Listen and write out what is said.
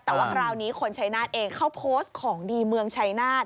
แต่ว่าคราวนี้คนชัยนาธเองเขาโพสต์ของดีเมืองชัยนาธิ